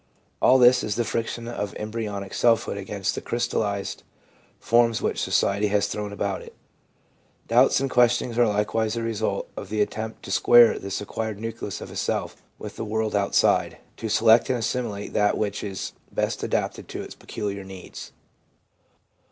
All this is the friction of embryonic selfhood against the crystallised forms which society has thrown about it. Doubts and questionings are likewise the result of the attempt to square this acquired nucleus of a self with the world outside, to select and assimilate that which is best adapted to its peculiar needs.